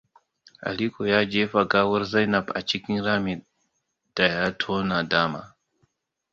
Aliko ya jefa gawar Zainab a cikin rami daya tona dama.